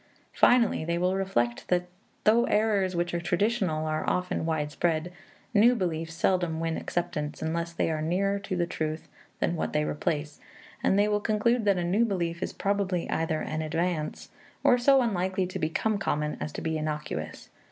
Finally they will reflect that, though errors which are traditional are often wide spread, new beliefs seldom win acceptance unless they are nearer to the truth than what they replace; and they will conclude that a new belief is probably either an advance, or so unlikely to become common as to be innocuous.